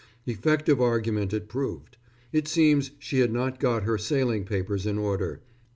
Effective argument it proved. It seems she had not got her sailing papers in order.